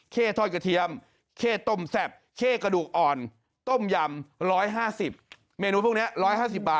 เข้ทอดกระเทียมเข้ต้มแซ่บเข้กระดูกอ่อนต้มยำ๑๕๐